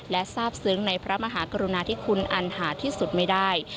และทราบซึ้งในพระมหากรุณาธิคุณอันหาที่สุดไม่ได้